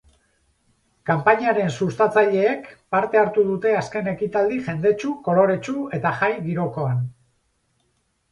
Kanpainaren sustatzaileek parte hartu dute azken ekitaldi jendetsu, koloretsu eta jai girokoan.